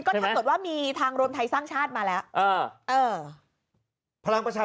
ก็ถักตรวจว่ามีทางรวมไทยสร้างชาติมาแล้วเออเออพลังประชา